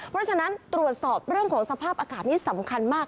เพราะฉะนั้นตรวจสอบเรื่องของสภาพอากาศนี้สำคัญมาก